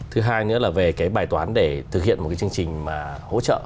thứ hai nữa là về cái bài toán để thực hiện một cái chương trình mà hỗ trợ